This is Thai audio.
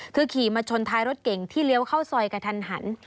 คือขี่มาชนท้ายรถเก่งที่เลี้ยวเข้าซอยกระทันหัน